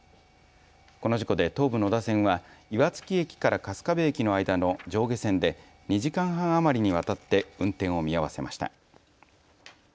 この事故で東武野田線は岩槻駅から春日部駅の間の上下線で２時間半余りにわたって運転を見合わせました。